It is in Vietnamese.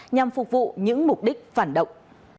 nhằm phục vụ những mục đích phản động